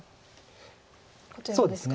こちらですか？